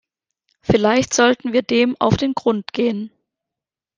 Vielleicht sollten wir dem auf den Grund gehen.